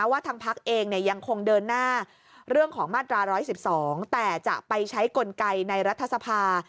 ว่าทางพักเองยังคงเดินหน้าเรื่องของมาตรา๑๑๒แต่จะไปใช้กลไกในรัฐสภา